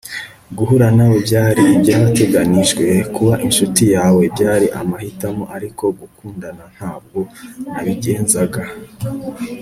guhura nawe byari ibyateganijwe, kuba inshuti yawe byari amahitamo, ariko kugukunda ntabwo nabigenzaga